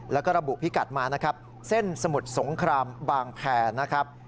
แล้วก็ระบุพิกัดมานะครับเส้นสมุทรสงครามบางแพรนะครับ